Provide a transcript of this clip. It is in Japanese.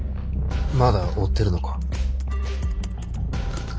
まだ追ってるのか？